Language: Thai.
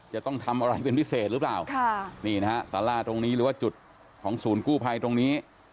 จะต้องทำอะไรเป็นพิเศษหรือเปล่าค่ะนี่นะฮะสาราตรงนี้หรือว่าจุดของศูนย์กู้ภัยตรงนี้